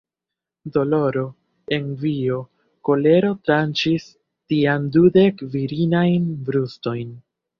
Doloro, envio, kolero tranĉis tiam dudek virinajn brustojn.